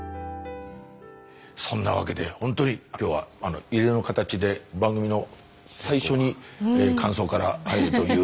そんなわけでほんとにきょうは異例の形で番組の最初に感想から入るということで。